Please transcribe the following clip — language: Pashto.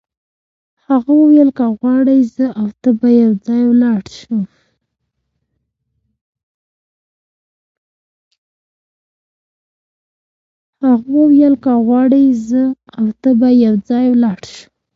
هغه وویل که غواړې زه او ته به یو ځای ولاړ شو.